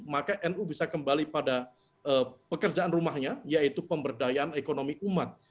maka nu bisa kembali pada pekerjaan rumahnya yaitu pemberdayaan ekonomi umat